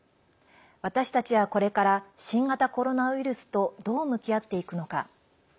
私たちは、これから新型コロナウイルスとどう向き合っていくのか。